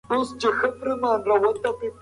باید پاکه وساتل شي.